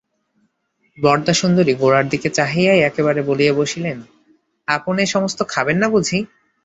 বরদাসুন্দরী গোরার দিকে চাহিয়াই একেবারে বলিয়া বসিলেন, আপন এ-সমস্ত কিছু খাবেন না বুঝি?